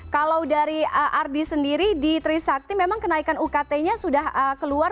kalau dari ardi sendiri di trisakti memang kenaikan ukt nya sudah keluar